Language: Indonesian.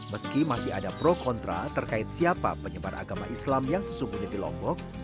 meski masih ada pro kontra terkait siapa penyebar agama islam yang sesungguhnya di lombok